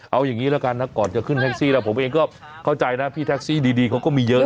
เอาอย่างนี้ละกันนะก่อนจะขึ้นแท็กซี่แล้วผมเองก็เข้าใจนะพี่แท็กซี่ดีเขาก็มีเยอะ